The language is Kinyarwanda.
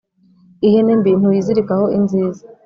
Ihene mbi ntuyizirikaho inziza.